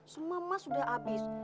semua emas udah abis